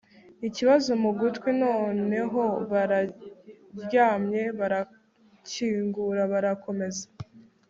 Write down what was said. ikibazo mu gutwi. noneho bararyamye, barakingura, barakomeza